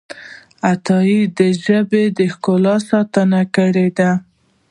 عطايي د ژبې د ښکلا ساتنه کړې ده.